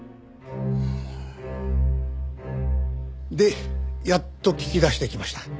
でやっと聞き出してきました。